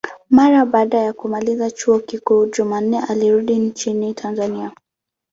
Mara baada ya kumaliza chuo kikuu, Jumanne alirudi nchini Tanzania.